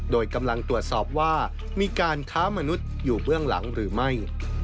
โดยกำลังตรวจสอบว่ามีการค้ามนุษย์อยู่เบื้องหลังหรือไม่